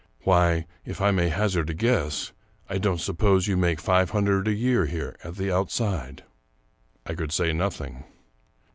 Why, if I may hazard a guess, I don't suppose you make five hundred a year here, at the out side.?" I could say nothing.